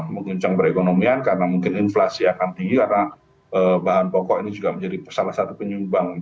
mengguncang perekonomian karena mungkin inflasi akan tinggi karena bahan pokok ini juga menjadi salah satu penyumbang